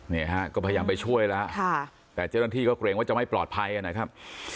เนี่ยฮะก็พยายามไปช่วยแล้วแต่เจ้าหน้าที่ก็เกรงว่าจะไม่ปลอดภัยนะครับ